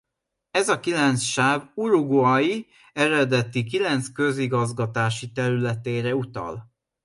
Ez a kilenc sáv Uruguay eredeti kilenc közigazgatási területére utal.